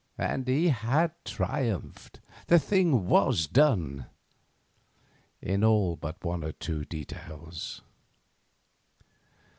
And he had triumphed; the thing was done—in all but one or two details.